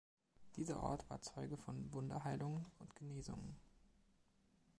Dieser Ort war Zeuge von Wunderheilungen und -genesungen.